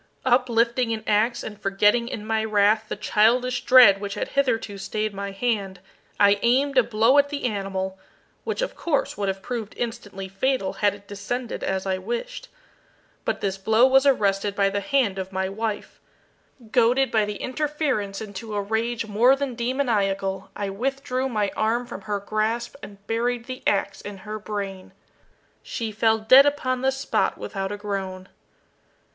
Uplifting an ax, and forgetting in my wrath the childish dread which had hitherto stayed my hand, I aimed a blow at the animal, which of course would have proved instantly fatal had it descended as I wished. But this blow was arrested by the hand of my wife. Goaded by the interference into a rage more than demoniacal, I withdrew my arm from her grasp and buried the ax in her brain. She fell dead upon the spot without a groan.